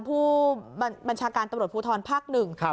ผู้บัญชาการตรภูทรภักดิ์๑